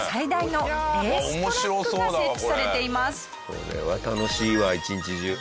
これは楽しいわ一日中。